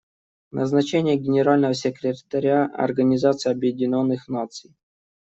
Назначение Генерального секретаря Организации Объединенных Наций.